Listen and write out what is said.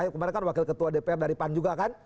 kemarin kan wakil ketua dpr dari pan juga kan